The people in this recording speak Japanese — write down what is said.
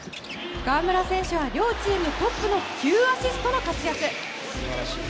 河村選手は両チームトップ９アシストの活躍。